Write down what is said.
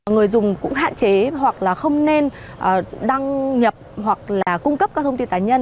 người dùng cũng hạn chế hoặc là không nên đăng nhập hoặc là cung cấp các thông tin cá nhân